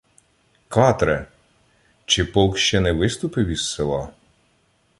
— Катре! Чи полк ще не виступив із села?